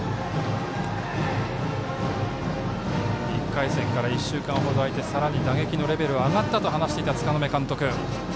１回戦から１週間ほど開いてさらに打撃のレベルが上がったと話していた柄目監督。